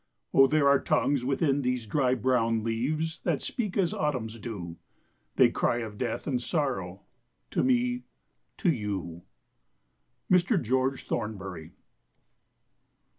O there are tongues within these dry brown leaves That speak as Autumns do; They cry of death and sorrow, To me—to you." MR GEORGE THORNBURY.